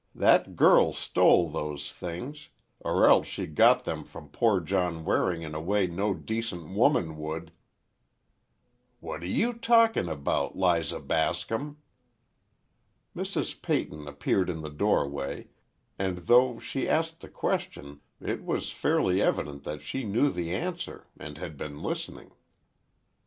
That girl stole those things, or else she got them from poor John Waring in a way no decent woman would—" "What are you talking about, Liza Bascom?" Mrs. Peyton appeared in the doorway, and though she asked the question, it was fairly evident that she knew the answer, and had been listening.